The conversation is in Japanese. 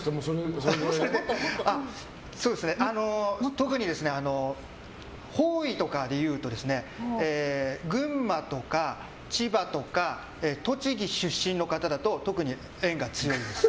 特に、方位とかで言うと群馬とか千葉とか栃木出身の方だと特に縁が強いです。